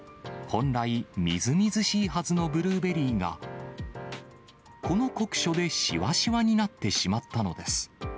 本来、みずみずしいはずのブルーベリーが、この酷暑でしわしわになってしまったのです。